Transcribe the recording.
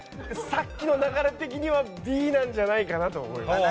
さっきの流れ的にはＢじゃないかと思います。